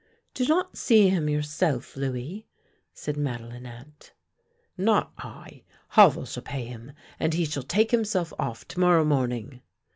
" Do not see him yourself, Louis," said Madelinette. " Not I. Havel shall pay him and he shall take him self off to morrow morning."